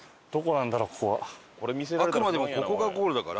あくまでもここがゴールだから。